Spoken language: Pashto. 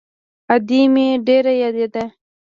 ادې مې ډېره يادېده.